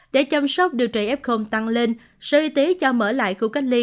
để chăm sóc điều trị f tăng lên sở y tế cho mở lại khu cách ly